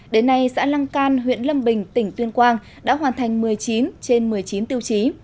đến nay xã lăng can huyện lâm bình tỉnh tuyên quang đã hoàn thành một mươi chín trên một mươi chín tiêu chí